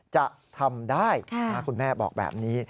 จะทำได้คุณแม่บอกแบบนี้